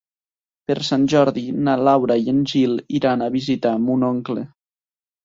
Per Sant Jordi na Laura i en Gil iran a visitar mon oncle.